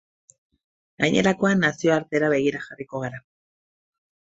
Gainerakoan, nazioartera begira jarriko gara.